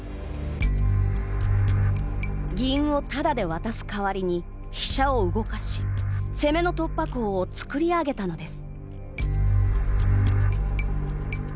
銀をただで渡す代わりに飛車を動かし攻めの突破口を作り上げたのです。